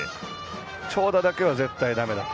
長打だけは絶対だめだと。